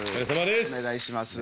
お願いします。